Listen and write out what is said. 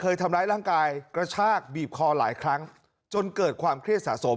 เคยทำร้ายร่างกายกระชากบีบคอหลายครั้งจนเกิดความเครียดสะสม